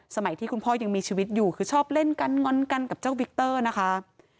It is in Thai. ที่คุณพ่อยังมีชีวิตอยู่คือชอบเล่นกันงอนกันกับเจ้าวิกเตอร์นะคะ